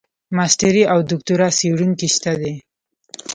ماسټري او دوکتورا څېړونکي شته دي.